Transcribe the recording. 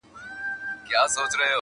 ګرځېدلی وو پر ونو او پر ژر ګو!.